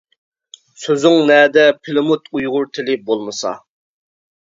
سۆزۈڭ نەدە پىلىموت ئۇيغۇر تىلى بولمىسا.